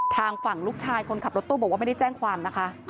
ทางฝั่งลูกชายคนขับรถตู้บอกว่าไม่ได้แจ้งความนะคะ